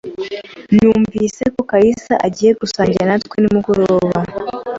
Numvise ko kalisa agiye gusangira natwe nimugoroba.